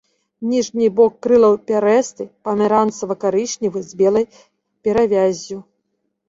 Ніжні бок крылаў пярэсты, памяранцава-карычневы з белай перавяззю.